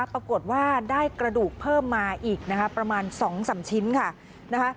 ปรากฏว่าได้กระดูกเพิ่มมาอีกนะคะประมาณ๒๓ชิ้นค่ะนะคะ